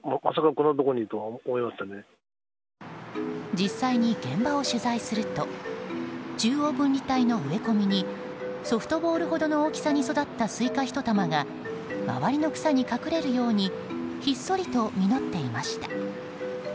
実際に現場を取材すると中央分離帯の植え込みにソフトボールほどの大きさに育ったスイカ１玉が周りの草に隠れるようにひっそりと実っていました。